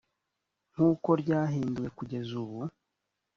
nk’uko ryahinduwe kugeza ubu